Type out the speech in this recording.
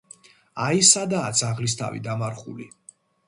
აი, სადაა ძაღლის თავი დამარხული.